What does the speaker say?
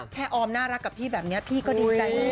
ออมน่ารักกับพี่แบบนี้พี่ก็ดีใจเลย